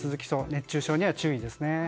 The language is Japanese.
熱中症には注意ですね。